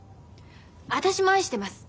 私も愛してます。